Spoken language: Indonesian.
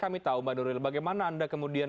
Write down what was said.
kami tahu mbak nuril bagaimana anda kemudian